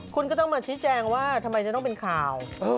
คุณก็ต้องมาชี้แจงว่าทำไมจะต้องเป็นข่าว